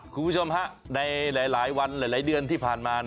คุณผู้ชมฮะในหลายวันหลายเดือนที่ผ่านมา